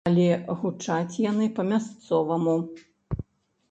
Але гучаць яны па-мясцоваму.